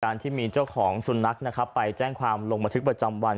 ที่มีเจ้าของสุนัขนะครับไปแจ้งความลงบันทึกประจำวัน